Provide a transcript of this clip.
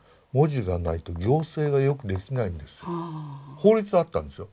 法律はあったんですよ。